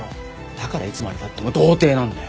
だからいつまでたっても童貞なんだよ。